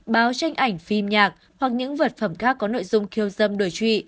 báo tranh ảnh phim nhạc hoặc những vật phẩm khác có nội dung khiêu dâm đổi trụy